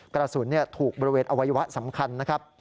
กระสุนถูกบริเวณอวัยวะสำคัญ